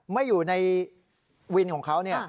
ไม่อยู่ในวินของเขา